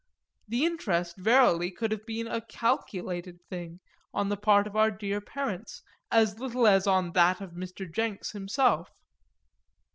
The interest verily could have been a calculated thing on the part of our dear parents as little as on that of Mr. Jenks himself.